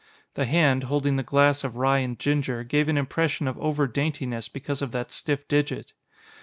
The hand, holding the glass of rye and ginger, gave an impression of over daintiness because of that stiff digit.